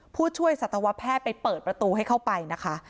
ผู้ช่วยสัตวแพทย์ไปเปิดประตูให้เข้าไปนะคะ